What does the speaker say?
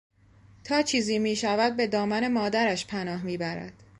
تا چیزی میشود به دامن مادرش پناه میبرد.